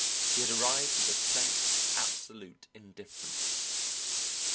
He had arrived at a state of absolute indifference.